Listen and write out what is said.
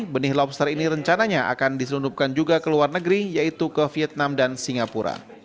benih lobster ini rencananya akan diselundupkan juga ke luar negeri yaitu ke vietnam dan singapura